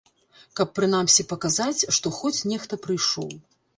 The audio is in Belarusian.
Каб прынамсі паказаць, што хоць нехта прыйшоў.